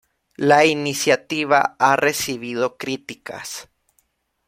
La iniciativa ha recibido críticas.